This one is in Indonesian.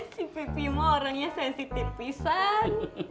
si pipi mah orangnya sensitifisan